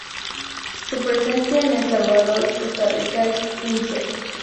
Su presencia en El Salvador y Costa Rica es incierta.